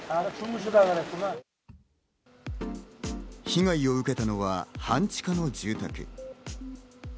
被害を受けたのは半地下の住宅。